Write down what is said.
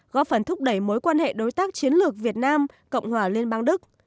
góp phần thúc đẩy mối quan hệ đối tác chiến lược việt nam cộng hòa liên bang đức